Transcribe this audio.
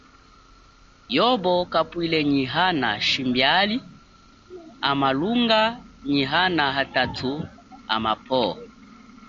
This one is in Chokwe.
Yobo kapwile nyi ana shimbiali a malunga, nyi ana atathu amapwo.